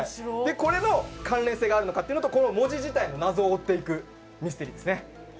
これの関連性があるのかっていうのとこの文字自体の謎を追っていくミステリーですね。